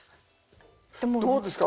どうですか？